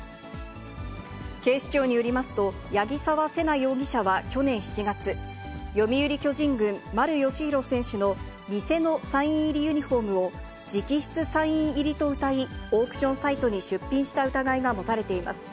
警視庁によりますと、八木沢瀬名容疑者は去年７月、読売巨人軍、丸佳浩選手の偽のサイン入りユニホームを、直筆サイン入りとうたい、オークションサイトに出品した疑いが持たれています。